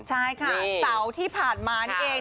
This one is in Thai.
ใช่ค่ะเสาร์ที่ผ่านมานี่เอง